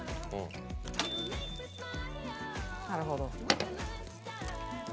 なるほど。